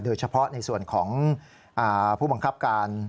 โดยเฉพาะในส่วนของผู้บังคับการ